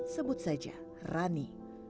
sebut saja rani